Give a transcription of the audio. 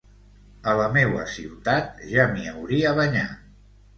A la meua ciutat, ja m’hi hauria banyat...